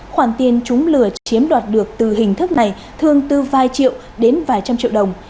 khoản tiền chúng lừa chiếm đoạt được từ hình thức này thường từ vài triệu đến vài trăm triệu đồng